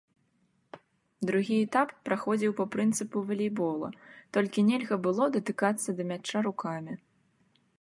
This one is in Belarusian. Другі этап праходзіў па прынцыпу валейбола, толькі нельга было датыкацца да мяча рукамі.